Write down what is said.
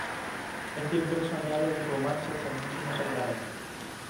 Este impreso añade un "Romance al Santísimo Sacramento".